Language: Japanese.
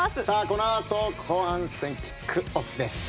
このあと後半戦キックオフです。